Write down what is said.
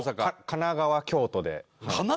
神奈川京都？